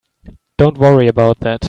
Don't worry about that.